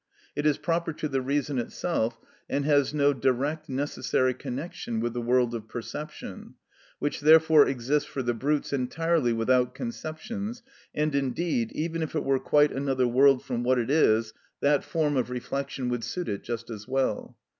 It is proper to the reason itself, and has no direct necessary connection with the world of perception, which therefore exists for the brutes entirely without conceptions, and indeed, even if it were quite another world from what it is, that form of reflection would suit it just as well.